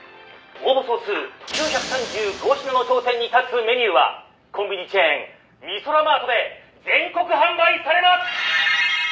「応募総数９３５品の頂点に立つメニューはコンビニチェーンミソラマートで全国販売されます！」